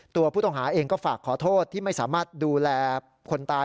ตัวผู้ต้องหาเองก็ฝากขอโทษที่ไม่สามารถดูแลคนตาย